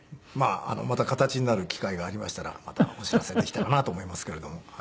また形になる機会がありましたらまたお知らせできたらなと思いますけれども。